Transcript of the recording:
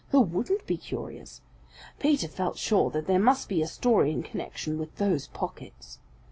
Who wouldn't be curious? Peter felt sure that there must be a story in connection with those pockets.